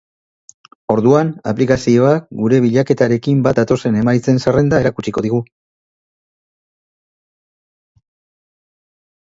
Orduan, aplikazioak gure bilaketarekin bat datozen emaitzen zerrenda erakutsiko digu.